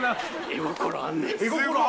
絵心あんねん。